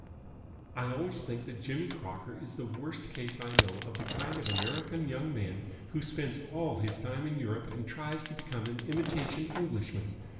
" I always think that Jimmy Crocker is the worst case I know of the kind of American young man who spends all his time in Europe and tries to become an imitation Englishman.